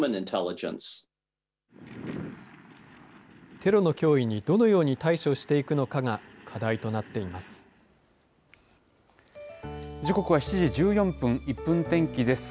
テロの脅威にどのように対処していくのかが課題となっていま時刻は７時１４分、１分天気です。